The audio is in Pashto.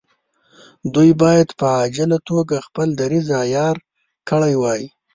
دوی باید په عاجله توګه خپل دریځ عیار کړی وای.